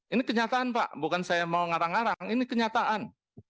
ini kenyataan pak bukan saya mau ngarang ngarang ini kenyataan